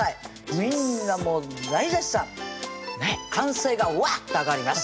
みんなもう大絶賛歓声がわっと上がります